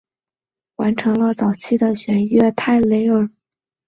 泰累尔在南非开普敦大学完成了早期的学业。